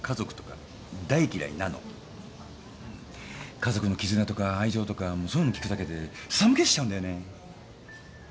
家族の絆とか愛情とかそういうの聞くだけで寒気しちゃうんだよね。